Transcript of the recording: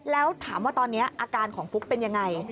แล้วถามว่าตอนนี้อาการของฟุ๊กเป็นยังไง